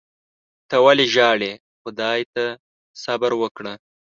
ته ولي ژاړې . خدای ته صبر وکړه